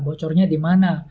bocornya di mana